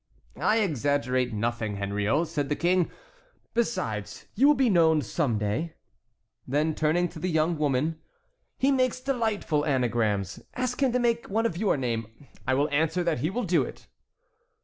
"I exaggerate nothing, Henriot," said the King; "besides, you will be known some day." Then turning to the young woman: "He makes delightful anagrams. Ask him to make one of your name. I will answer that he will do it."